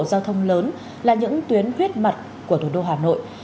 giao thông lớn là những tuyến huyết mạch của thủ đô hà nội